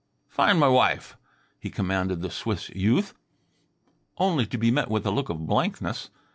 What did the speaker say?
"Find m' wife," he commanded the Swiss youth, only to be met with a look of blankness.